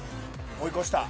追い越した。